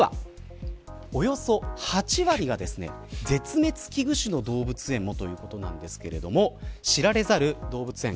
実は、およそ８割が絶滅危惧種の動物園もということなんですが知られざる動物園。